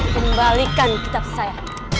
kembalikan kitab saya